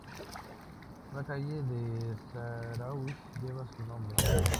Una calle de Zarauz lleva su nombre.